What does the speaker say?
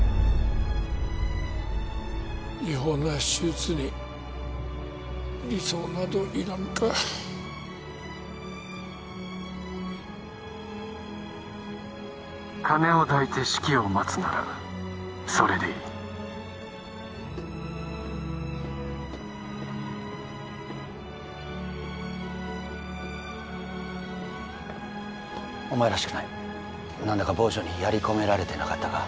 違法な手術に理想などいらんか金を抱いて死期を待つならそれでいいお前らしくない何だか坊城にやり込められてなかったか